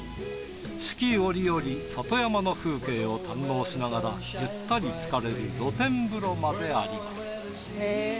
四季折々里山の風景を堪能しながらゆったり浸かれる露天風呂まであります。